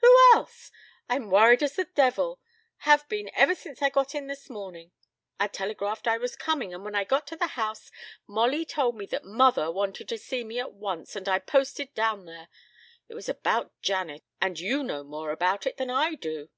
"Who else? I'm worried as the devil. Have been ever since I got in this morning. I'd telegraphed I was coming, and when I got to the house Molly told me that mother wanted to see me at once and I posted down there. It was about Janet, and you know more about it than I do."